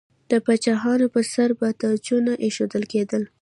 د پاچاهانو پر سر به تاجونه ایښودل کیدل.